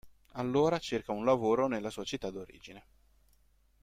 Allora cerca un lavoro nella sua città d'origine.